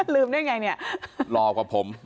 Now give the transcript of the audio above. ลืมได้ไงเนี่ยหล่อกว่าผม